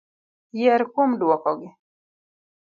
Yier kuom duoko gi.